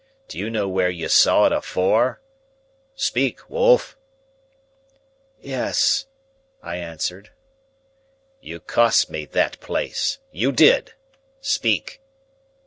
"Do you know where you saw it afore? Speak, wolf!" "Yes," I answered. "You cost me that place. You did. Speak!"